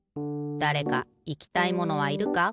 だれかいきたいものはいるか？